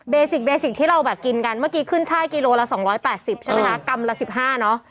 สิกเบสิกที่เราแบบกินกันเมื่อกี้ขึ้นช่ายกิโลละ๒๘๐ใช่ไหมคะกรัมละ๑๕เนอะ